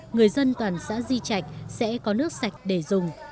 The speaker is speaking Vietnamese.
người dân toàn xã di trạch sẽ có nước sạch để dùng